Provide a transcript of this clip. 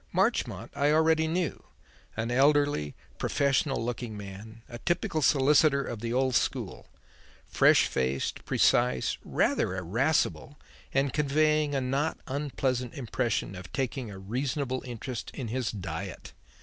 Marchmont I already knew; an elderly, professional looking man, a typical solicitor of the old school; fresh faced, precise, rather irascible, and conveying a not unpleasant impression of taking a reasonable interest in his diet.